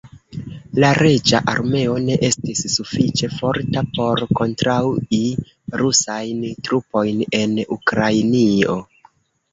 La reĝa armeo ne estis sufiĉe forta por kontraŭi rusajn trupojn en Ukrainio.